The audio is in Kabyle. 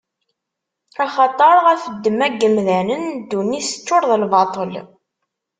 Axaṭer ɣef ddemma n yemdanen, ddunit teččuṛ d lbaṭel.